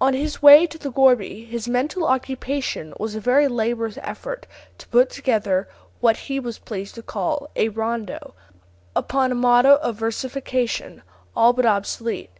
On his way to the gourbi, his mental occupation was a very laborious effort to put together what he was pleased to call a rondo, upon a model of versification all but obsolete.